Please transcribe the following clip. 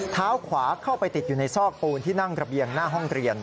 เท้าขวาเข้าไปติดอยู่ในซอกปูนที่นั่งระเบียงหน้าห้องเรียน